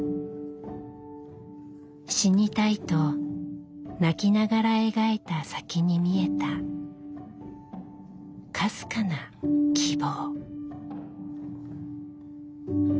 「死にたい」と泣きながら描いた先に見えたかすかな「希望」。